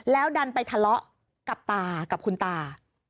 แล้วดันไปทะเลาะกับตากับคุณตา